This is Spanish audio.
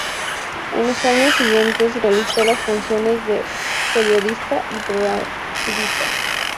En los años siguientes realizó las funciones de periodista y propagandista.